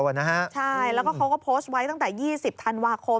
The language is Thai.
ใช่แล้วก็เขาก็โพสต์ไว้ตั้งแต่๒๐ธันวาคม